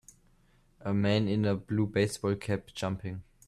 A man in a blue baseball cap jumping.